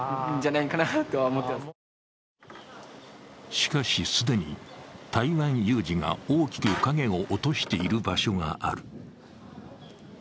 しかし既に、台湾有事が大きく影を落としている場所がある。